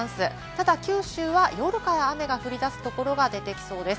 ただ九州は夜から雨が降り出す所が出てきそうです。